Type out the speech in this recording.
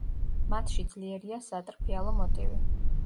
მათში ძლიერია სატრფიალო მოტივი.